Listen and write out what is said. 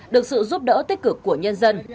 được sự giúp đỡ tích cực của nhân dân